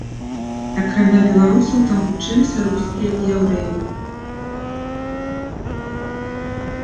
Акрамя беларусаў там вучыліся рускія і яўрэі.